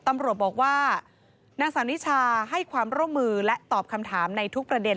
ตำรวจบอกว่านางสาวนิชาให้ความร่วมมือและตอบคำถามในทุกประเด็น